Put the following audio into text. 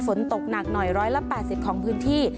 ฝนตกหนักหน่อย๑๘๐ของพื้นที่